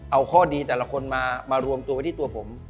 เอาดีของแต่ละคนมาให้รวมรวมตัวไว้ที่ตัวผม